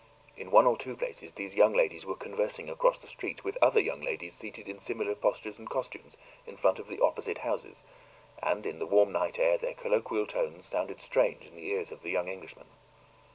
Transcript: In one or two places these young ladies were conversing across the street with other young ladies seated in similar postures and costumes in front of the opposite houses, and in the warm night air their colloquial tones sounded strange in the ears of the young Englishmen.